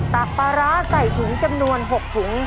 ักปลาร้าใส่ถุงจำนวน๖ถุง